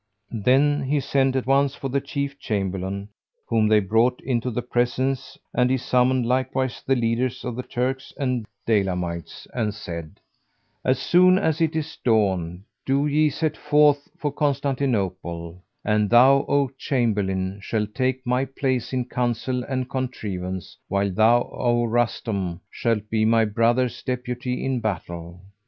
Then he sent at once for the Chief Chamberlain whom they brought into the presence; and he summoned likewise the leaders of the Turks and Daylamites and said, "As soon as it is dawn, do ye set forth for Constantinople; and thou, O Chamberlain, shalt take my place in council and contrivance, while thou, O Rustam, shalt be my brother's deputy in battle.